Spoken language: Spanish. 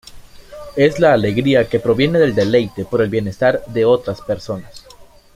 Es la alegría que proviene del deleite por el bienestar de otras personas.